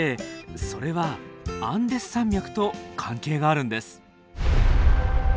それはアンデス山脈と関係があるんです。